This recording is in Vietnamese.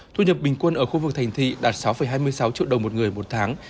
thu nhập bình quân ở khu vực thành thị đạt sáu hai mươi sáu triệu đồng một người một tháng